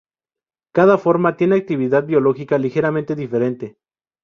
Cada forma tiene actividad biológica ligeramente diferente.